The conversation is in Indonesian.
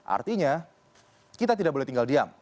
artinya kita tidak boleh tinggal diam